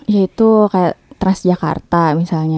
ya itu kayak transjakarta misalnya